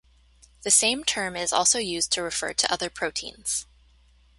The same term is also used to refer to other proteins.